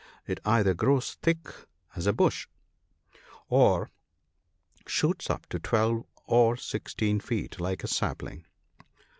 It either grows thick as a bush, or shoots up to twelve or sixteen feet, like a sapling.